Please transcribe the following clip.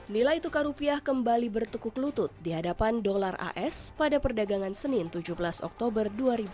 nilai tukar rupiah kembali bertekuk lutut di hadapan dolar as pada perdagangan senin tujuh belas oktober dua ribu dua puluh